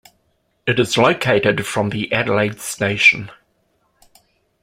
It is located from the Adelaide station.